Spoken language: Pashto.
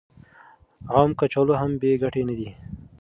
عام کچالو هم بې ګټې نه دي.